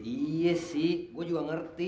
iya sih gue juga ngerti